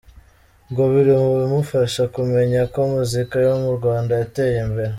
ngo biri mu bimufasha kumenya ko muzika yo mu Rwanda yateye imbere.